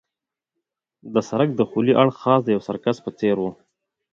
د سړک دخولي اړخ خاص د یوه سرکس په څېر وو.